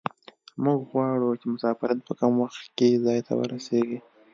موږ غواړو چې مسافرین په کم وخت کې ځای ته ورسیږي